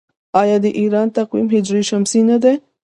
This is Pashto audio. آیا د ایران تقویم هجري شمسي نه دی؟